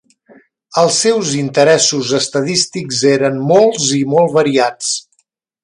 Els seus interessos estadístics eren molts i molt variats.